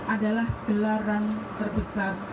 adalah gelaran terbesar